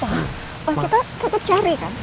pak pak kita tetep cari kan